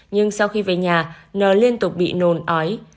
nhưng sau khi về nhà n liên tục bị nôn ói